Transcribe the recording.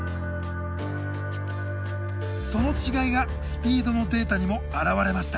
その違いがスピードのデータにも表れました。